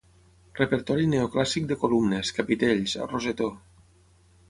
Repertori neoclàssic de columnes, capitells, rosetó.